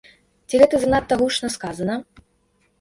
Ці гэта занадта гучна сказана?